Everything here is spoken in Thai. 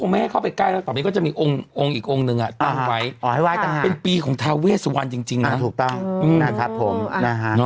อ๋อให้ไว้ต่างเป็นปีของทาเวซวันจริงนะฮะ